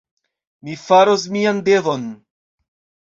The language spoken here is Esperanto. Mi faros mian devon.